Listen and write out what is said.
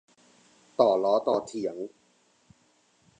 ต่อล้อต่อเถียง